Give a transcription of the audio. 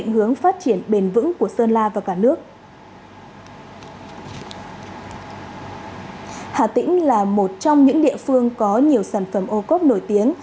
hà tĩnh là một trong những địa phương có nhiều sản phẩm ô cốp nổi tiếng